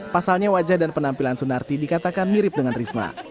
pasalnya wajah dan penampilan sunarti dikatakan mirip dengan risma